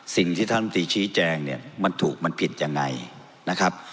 สิ่งที่ท่านตรีชี้แจงเนี่ยมันถูกมันผิดยังไงนะครับ